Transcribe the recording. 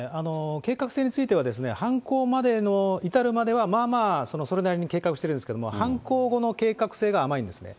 計画性についてはですね、犯行までの、至るまではまあまあ、それなりに計画してるんですけれども、犯行後の計画性が甘いんですね。